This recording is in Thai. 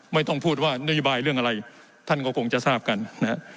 ไม่ต้องพูดว่านโยบายเรื่องอะไรท่านก็คงจะทราบกันนะฮะ